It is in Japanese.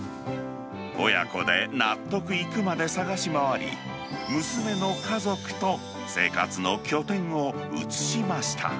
親子で納得いくまで探し回り、娘の家族と生活の拠点を移しました。